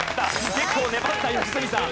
結構粘った良純さん。